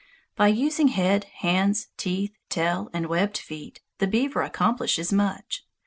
By using head, hands, teeth, tail, and webbed feet the beaver accomplishes much.